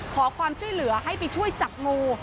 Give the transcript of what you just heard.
ขอความช่วยเหลือให้ไปช่วยจับงู